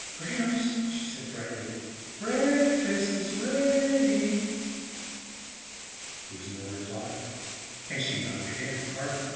"Gramps," she called brightly, "break fast is rea dy." There was no reply and she knocked again, harder.